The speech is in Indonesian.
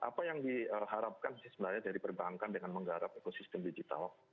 apa yang diharapkan sih sebenarnya dari perbankan dengan menggarap ekosistem digital